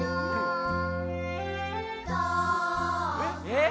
えっ？